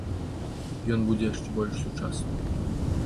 Ён будзе яшчэ больш сучасным.